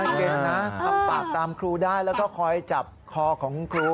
เก่งนะทำปากตามครูได้แล้วก็คอยจับคอของครู